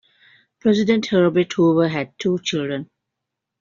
President Herbert Hoover had two children.